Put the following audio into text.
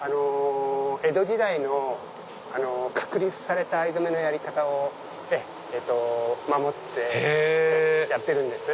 江戸時代の確立された藍染めのやり方を守ってやってるんです。